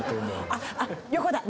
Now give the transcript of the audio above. あっ横だ。